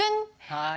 はい。